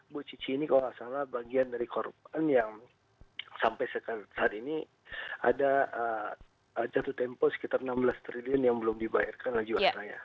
bu cici ini kalau nggak salah bagian dari korban yang sampai saat ini ada jatuh tempo sekitar enam belas triliun yang belum dibayarkan oleh jiwa saya